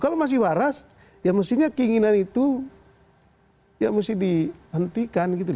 kalau masih waras ya mestinya keinginan itu ya mesti dihentikan gitu